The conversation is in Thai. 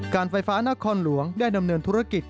การไฟฟ้านครหลวงได้ดำเนินธุรกิจ